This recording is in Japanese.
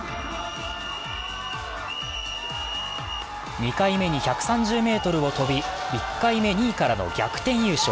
２回目に１３０ｍを飛び、１回目・２位からの逆転優勝。